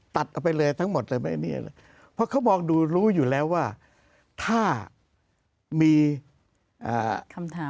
ตัดออกไปเลยทั้งหมดเลยไหมเนี่ยเพราะเขาก็มองดูรู้อยู่แล้วว่าถ้ามีอ่า